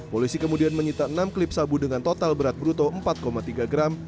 polisi kemudian menyita enam klip sabu dengan total berat bruto empat tiga gram